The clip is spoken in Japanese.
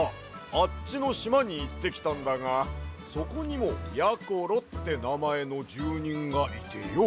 あっちのしまにいってきたんだがそこにもやころってなまえのじゅうにんがいてよ。